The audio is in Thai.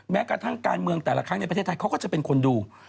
แม้กระทั่งการเมืองแต่ละครั้งในประเทศไทยเขาก็จะเป็นคนดู